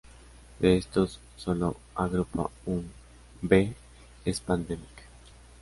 De estos, sólo agrupa Un y B es pandemic.